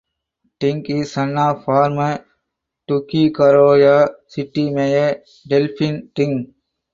Ting is son of Former Tuguegarao City Mayor Delfin Ting.